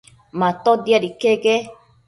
Matotiad iquec quec